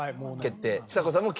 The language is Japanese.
ちさ子さんも決定。